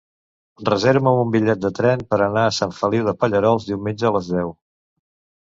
Reserva'm un bitllet de tren per anar a Sant Feliu de Pallerols diumenge a les deu.